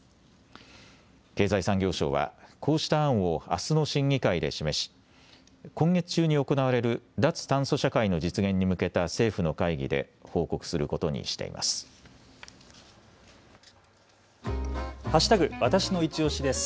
経済産業省はこうした案をあすの審議会で示し今月中に行われる脱炭素社会の実現に向けた政府の会議で報告することにしています。